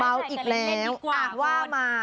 เมล์ร์อีกแล้วอากว่ามา